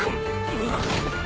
うわっ！